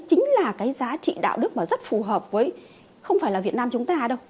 chính là giá trị đạo đức rất phù hợp với không phải việt nam chúng ta đâu